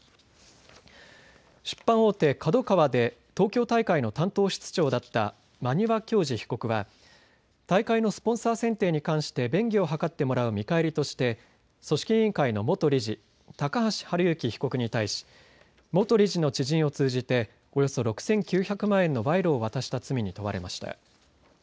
出版大手、ＫＡＤＯＫＡＷＡで東京大会の担当室長だった馬庭教二被告は大会のスポンサー選定に関して便宜を図ってもらう見返りとして組織委員会の元理事、高橋治之被告に対し元理事の知人を通じておよそ６９００万円の賄賂を渡した罪に問われました。